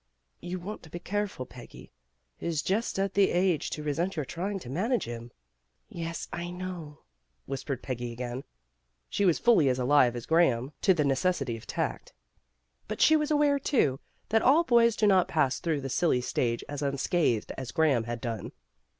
"You want to be careful, Peggy. He's just at the age to resent your trying to manage him." "Yes, I know," whispered Peggy again. She was fully as alive as Graham to the 218 PEGGY RAYMOND'S WAY necessity of tact. But she was aware, too, that all boys do not pass through the silly stage as unscathed as Graham had done.